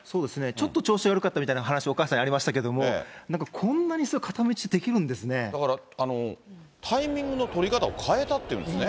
ちょっと調子悪かったみたいな話、お母さんからありましたけれども、なんかこんなにすごい固め打ちっだから、タイミングの取り方変えたっていうんですね。